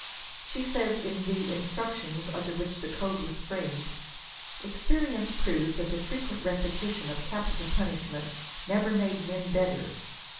She says, in the "Instructions" under which the code was framed, "experience proves that the frequent repetition of capital punishment never made men better.